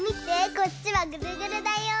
こっちはぐるぐるだよ。